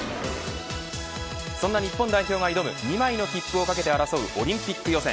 そんな日本代表が挑む２枚の切符をかけて争うオリンピック予選。